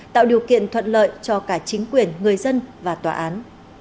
tạo điều kiện thuận lợi cho cả chính quyền người dân và tòa án